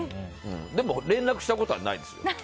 でも連絡したことはないですよ。